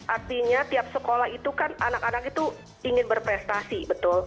artinya tiap sekolah itu kan anak anak itu ingin berprestasi betul